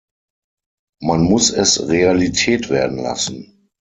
Man muss es Realität werden lassen.